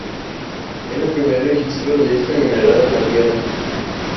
Es el primer registro de este mineral en la Tierra.